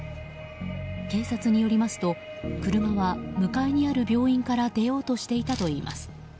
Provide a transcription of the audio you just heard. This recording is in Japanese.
警察によりますと車は向かいにある病院から出ようとしていたといいます。